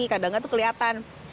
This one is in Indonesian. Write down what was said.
kadang kadang tuh kelihatan